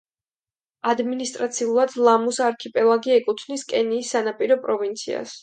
ადმინისტრაციულად ლამუს არქიპელაგი ეკუთვნის კენიის სანაპირო პროვინციას.